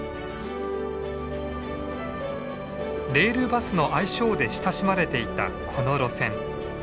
レールバスの愛称で親しまれていたこの路線。